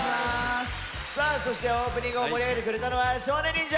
そしてオープニングを盛り上げてくれたのは少年忍者！